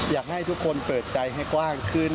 อยากให้ทุกคนเปิดใจให้กว้างขึ้น